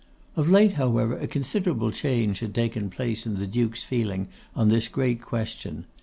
Of late, however, a considerable change had taken place in the Duke's feelings on this great question.